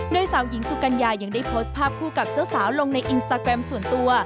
โดยสาวหญิงสุกัญญายังได้โพสต์ภาพคู่กับเจ้าสาวลงในอินสตาแกรมส่วนตัว